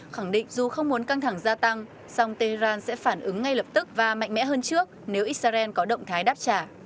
khẳng định dù không muốn căng thẳng gia tăng song tehran sẽ phản ứng ngay lập tức và mạnh mẽ hơn trước nếu israel có động thái đáp trả